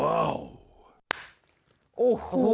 โอ้โห